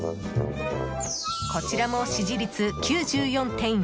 こちらも支持率９４．４％。